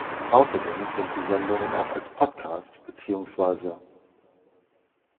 Ausserdem sind die Sendungen auch als Podcast bezw.